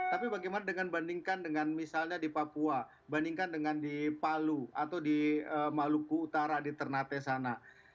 tapi bagaimana dengan bandingkan dengan misalnya di papua bandingkan dengan di palu atau di maluku utara di ternate sana